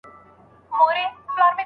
مدیتیشن د زړه سکون ته لاره هواروي.